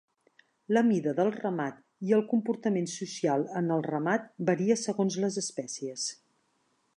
La mida del ramat i el comportament social en el ramat varia segons les espècies.